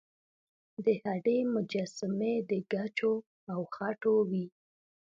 د هډې مجسمې د ګچو او خټو وې